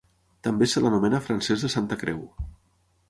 També se l'anomena Francesc de Santacreu.